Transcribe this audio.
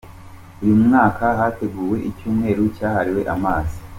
Uyu mwaka, hateguwe icyumweru cyahiriwe amazi